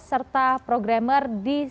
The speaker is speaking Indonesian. serta programmer diselenggarakan